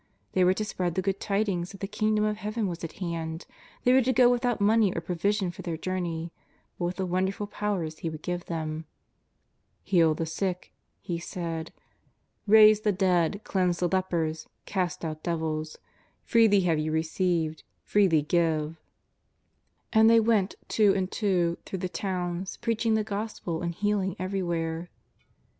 They were to spread the good tidings that the Kingdom of Heaven was at hand. They w^ere to go without money or provision for their journey, but with the wonderful powers He would give them :*^ Heal the sick," He said, " raise the dead, cleanse 13 232 JESUS OF NAZARETH. the lepers, cast out devils: freely have you received, freely give/' And they went two and two through the towns, preaching the Gospel and healing everywhere.